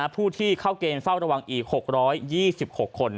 ผู้ที่เข้าเกณฑ์เฝ้าระวังอีก๖๒๖คน